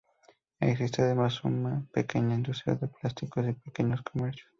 Existe además uma pequeña industria de plásticos y pequeños comercios.